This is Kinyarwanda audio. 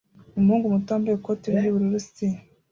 Umuhungu muto wambaye ikoti ry'ubururu s